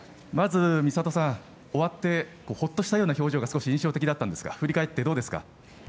まず美里さん終わって、ほっとした表情が少し印象的だったんですが振り返ってどうですか？